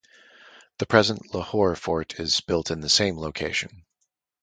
The present Lahore Fort is built in the same location.